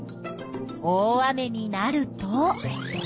大雨になると。